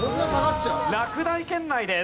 落第圏内です。